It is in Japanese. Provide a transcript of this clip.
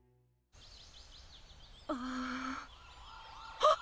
あっ！